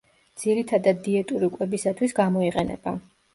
ძირითადად დიეტური კვებისათვის გამოიყენება.